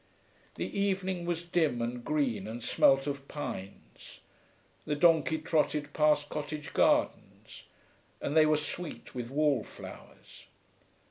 The evening was dim and green, and smelt of pines. The donkey trotted past cottage gardens, and they were sweet with wallflowers.